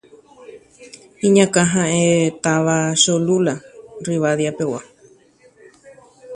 Su cabecera es la ciudad de Cholula de Rivadavia.